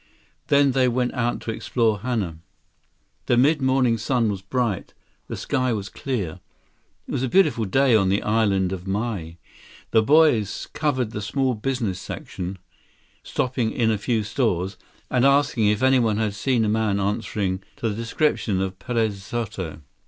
Then they went out to explore Hana. The mid morning sun was bright. The sky was clear. It was a beautiful day on the Island of Maui. The boys covered the small business section, stopping in a few stores, and asking if anyone had seen a man answering to the description of Perez Soto.